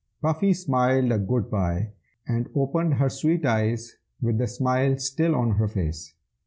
Puffy smiled a good bye, and opened her sweet eyes with the smile still on her face.